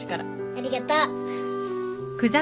ありがとう。